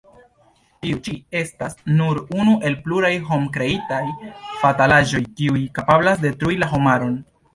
Tiu ĉi estas nur unu el pluraj homkreitaj fatalaĵoj, kiuj kapablas detrui la homaron.